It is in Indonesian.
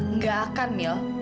nggak akan mil